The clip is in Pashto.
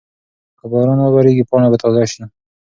که باران وورېږي پاڼه به تازه شي.